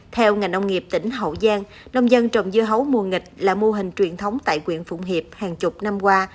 theo ngành nông nghiệp tỉnh hậu giang nông dân trồng dưa hấu mùa nghịch là mô hình truyền thống tại quyện phụng hiệp hàng chục năm qua